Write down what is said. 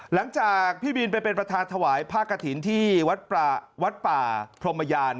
หลังจากพี่บินไปเป็นประธานถวายผ้ากระถิ่นที่วัดป่าพรมยาน